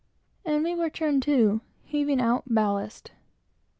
and we were turned to, heaving out ballast.